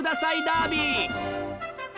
ダービー。